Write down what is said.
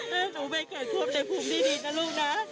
ถ้าหนูไปเกิดควบในภูมิที่ดีนะลูกนะ